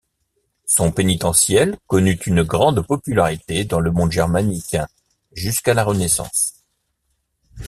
Son pénitentiel connut une grande popularité dans le monde germanique jusqu'à la Renaissance.